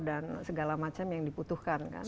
dan segala macam yang diputuhkan kan